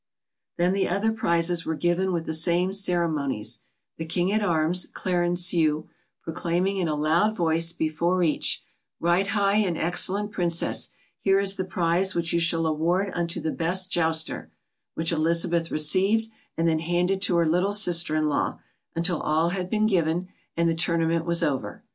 Then the other prizes were given with the same ceremonies, the king at arms, Clarencieux, proclaiming in a loud voice before each, "Right high and excellent Princess, here is the prize which you shall award unto the best jouster," which Elizabeth received and then handed to her little sister in law, until all had been given, and the tournament was over.